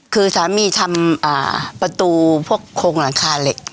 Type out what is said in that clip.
คือสามีทำประตูพวกโครงหลังคาเหล็ก